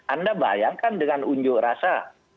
anda bayangkan dengan unjuk rasa